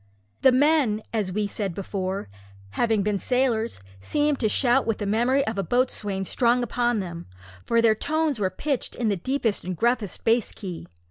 The men, as we said before, having been sailors, seemed to shout with the memory of the boatswain strong upon them, for their tones were pitched in the deepest and gruffest bass key.